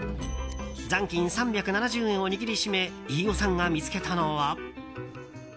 残金３７０円を握り締め飯尾さんが見つけたのは。